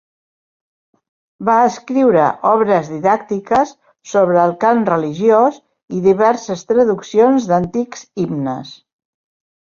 Va escriure obres didàctiques sobre el cant religiós, i diverses traduccions d'antics himnes.